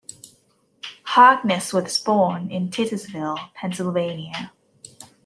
Harkness was born in Titusville, Pennsylvania.